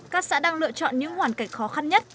các xã đang lựa chọn những hoàn cảnh khó khăn nhất